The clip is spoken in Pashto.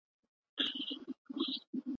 استاد باید د شاګرد ملاتړ وکړي.